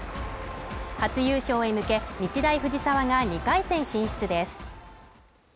初優勝へ向け、日大藤沢が２回戦進出です。